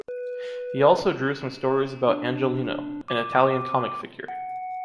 He also drew some stories about Angelino, an Italian comic figure.